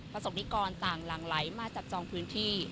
สนิกรต่างหลั่งไหลมาจับจองพื้นที่